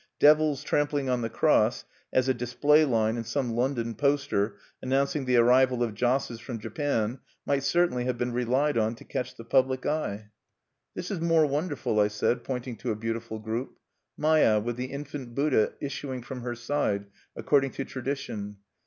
Devils trampling on the Cross, as a display line in some London poster announcing the arrival of "josses from Japan," might certainly have been relied on to catch the public eye. "This is more wonderful," I said, pointing to a beautiful group, Maya with the infant Buddha issuing from her side, according to tradition.